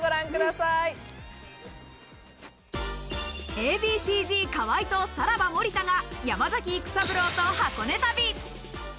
Ａ．Ｂ．Ｃ−Ｚ・河合とさらば・森田が山崎育三郎と箱根旅。